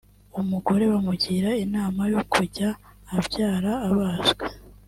umugore bamugira inama yo kujya abyara abazwe